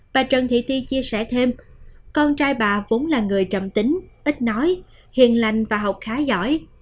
bà trần thị ti chia sẻ thêm con trai bà vốn là người trầm tính ít nói hiền lành và học khá giỏi